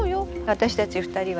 私たち２人はね